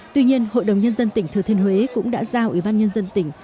tuy nhiên hội đồng nhân dân tỉnh thừa thiên huế cũng đã giao ủy ban nhân dân tỉnh